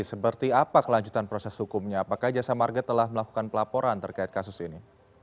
seperti apa kelanjutan proses hukumnya apakah jasa marga telah melakukan pelaporan terkait kasus ini